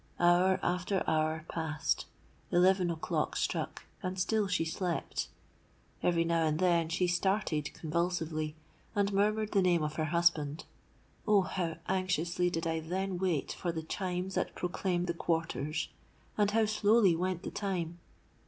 Hour after hour passed—eleven o'clock struck, and still she slept. Every now and then she started convulsively, and murmured the name of her husband. Oh! how anxiously did I then wait for the chimes that proclaimed the quarters! and how slowly went the time!